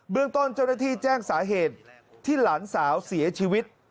เรื่องต้นเจ้าหน้าที่แจ้งสาเหตุที่หลานสาวเสียชีวิต